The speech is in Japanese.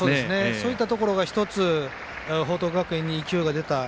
そういったところが１つ報徳学園に勢いが出た。